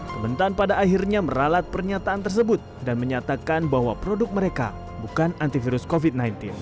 kementan pada akhirnya meralat pernyataan tersebut dan menyatakan bahwa produk mereka bukan antivirus covid sembilan belas